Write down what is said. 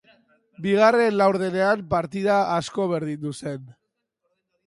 Bigarren laurdenean partida asko berdindu zen.